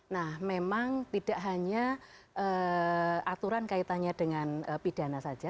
nah memang tidak hanya aturan kaitannya dengan pidana saja